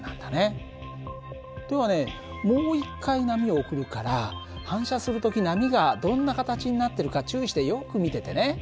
ではねもう一回波を送るから反射する時波がどんな形になってるか注意してよく見ててね。